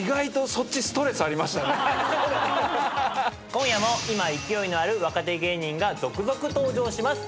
今夜も今勢いのある若手芸人が続々登場します。